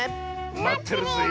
まってるぜえ。